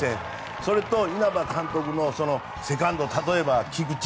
それと、稲葉監督のセカンド例えば菊池。